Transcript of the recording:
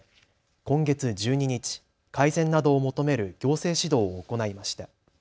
今月１２日、改善などを求める行政指導を行いました。